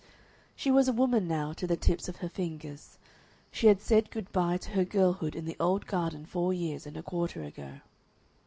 She was a woman now to the tips of her fingers; she had said good bye to her girlhood in the old garden four years and a quarter ago.